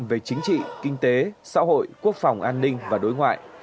về chính trị kinh tế xã hội quốc phòng an ninh và đối ngoại